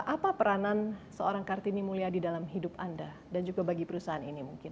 apa peranan seorang kartini mulyadi dalam hidup anda dan juga bagi perusahaan ini mungkin